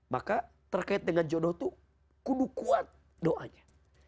maka terkait dengan jodoh itu kudu kuat doanya